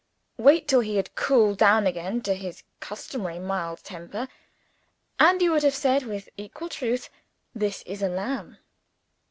Wait till he had cooled down again to his customary mild temperature and you would have said with equal truth, This is a lamb.